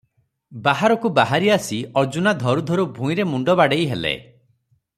ବାହାରକୁ ବାହାରି ଆସି ଅର୍ଜୁନା ଧରୁ ଧରୁ ଭୂଇଁରେ ମୁଣ୍ଡ ବାଡ଼େଇ ହେଲେ ।